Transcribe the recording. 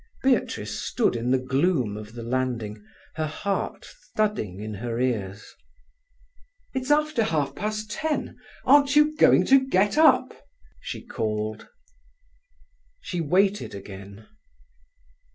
Beatrice stood in the gloom of the landing, her heart thudding in her ears. "It's after half past ten—aren't you going to get up?" she called. She waited again.